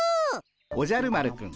おじゃる丸くん